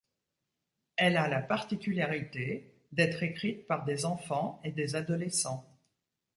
Elle a la particularité d’être écrite par des enfants et des adolescents.